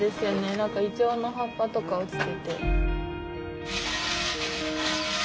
何かいちょうの葉っぱとか落ちてて。